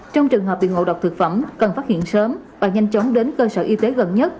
trong trường hợp bị ngộ độc thực phẩm cần phát hiện sớm và nhanh chóng đến cơ sở y tế gần nhất